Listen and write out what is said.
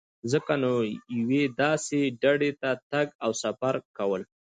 ځکه نو یوې داسې ډډې ته تګ او سفر کول.